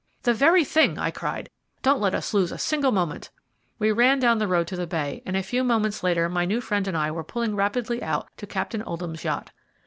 "The very thing!" I cried. "Don't let us lose a single moment." We ran down the road to the bay, and a few moments later my new friend and I were pulling rapidly out to Captain Oldham's yacht.